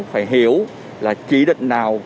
phải hiểu là chỉ định nào